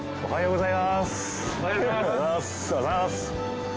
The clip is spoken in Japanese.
おはよう！